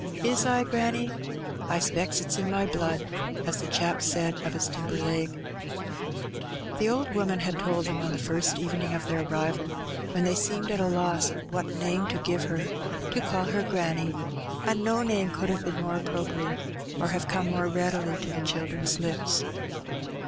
"Is I, granny? I specks it^s in my blood, as the chap said o' his timber leg.^^ The old woman had told them on the first evening of their arrival, when they seemed at a loss what name to give her, to call her granny; and no name could have been more appropriate, or have come more readily to the children's Ups.